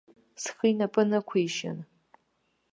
Схы инапы нықәишьын.